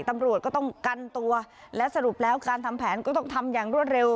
ตำรวจก็ต้องกันตัวและสรุปแล้วการทำแผนก็ต้องทำอย่างรวดเร็ว